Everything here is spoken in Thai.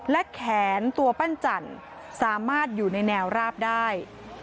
และแขนตัวปั้นจันทร์สามารถอยู่ในแนวราบได้